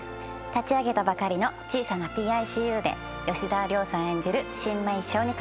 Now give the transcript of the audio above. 立ち上げたばかりの小さなＰＩＣＵで吉沢亮さん演じる新米小児科医と。